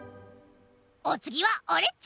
おつぎはオレっち！